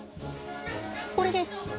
これです。